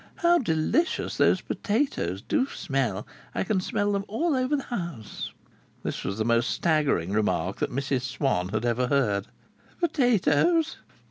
"How delicious those potatoes do smell! I can smell them all over the house." This was the most staggering remark that Mrs Swann had ever heard. "Potatoes?